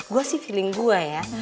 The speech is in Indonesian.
gue sih feeling gue ya